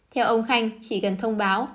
theo ông khanh chỉ cần thông báo